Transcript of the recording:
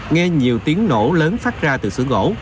nghe nhiều tiếng nổ lớn phát ra từ sưởng gỗ